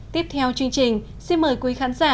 tiếp theo chương trình xin mời quý khán giả